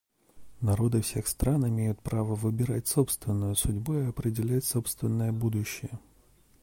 Народы всех стран имеют право выбирать собственную судьбу и определять собственное будущее.